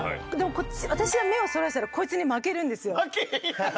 こっち、私は目をそらしたらこいつに負けるんですよね。